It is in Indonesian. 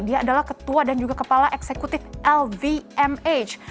dia adalah ketua dan juga kepala eksekutif lvmh